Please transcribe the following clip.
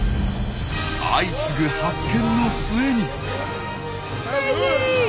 相次ぐ発見の末に。